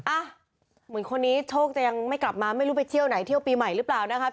อ่ะเหมือนคนนี้โชคจะยังไม่กลับมาไม่รู้ไปเที่ยวไหนเที่ยวปีใหม่หรือเปล่านะครับ